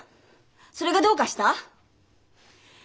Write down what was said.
それがどうかした？